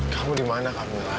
kamu dimana camilla